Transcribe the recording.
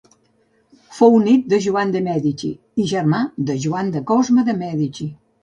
Fou nét de Joan de Mèdici i germà de Joan de Cosme de Mèdici.